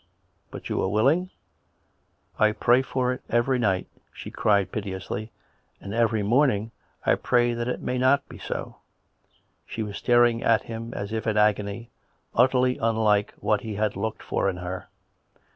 " But you are willing ?"" I pray for it every night," she cried piteously. " And every morning I pray that it may not be so." She was staring at him as if in agony, utterly unlike what he had looked for in her.